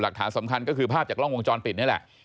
หลักฐานสำคัญก็คือภาพจากกล้องวงจรปิดนี่แหละ